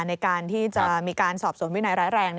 ในการที่จะมีการสอบสวนวินัยร้ายแรง